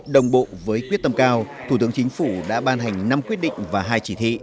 đồng bộ với quyết tâm cao thủ tướng chính phủ đã ban hành năm quyết định và hai chỉ thị